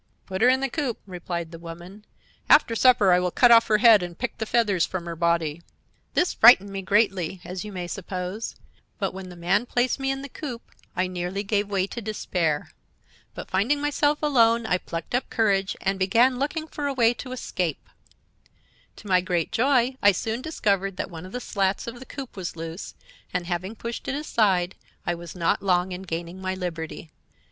"'Put her in the coop,' replied the woman. 'After supper I will cut off her head and pick the feathers from her body.' "This frightened me greatly, as you may suppose, and when the man placed me in the coop I nearly gave way to despair. But, finding myself alone, I plucked up courage and began looking for a way to escape. To my great joy I soon discovered that one of the slats of the coop was loose, and, having pushed it aside, I was not long in gaining my liberty.